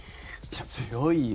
強いよ。